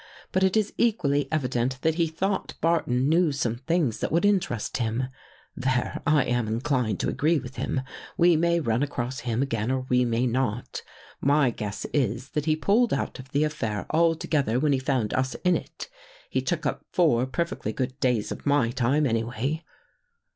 But it is equally evident that he thought Barton knew some things that would interest him. " There, I am inclined to agree with him. We may run across him again or we may not. My guess is that he pulled out of the affair altogether when he found us in it. He took up four perfectly good days of my time, anyway."